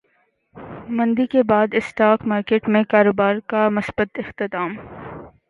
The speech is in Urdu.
مندی کے بعد اسٹاک مارکیٹ میں کاروبار کا مثبت اختتام